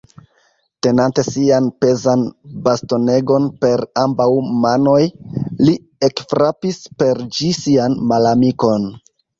Tenante sian pezan bastonegon per ambaŭ manoj, li ekfrapis per ĝi sian malamikon.